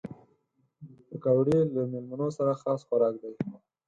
پکورې له مېلمنو سره خاص خوراک دي